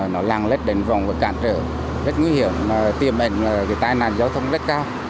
nó lăng lết đến vòng và cản trở rất nguy hiểm tiềm hình là cái tai nạn giao thông rất cao